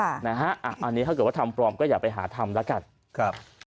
อันนี้ถ้าเกิดว่าทำปลอมก็อย่าไปหาทำแล้วกันครับ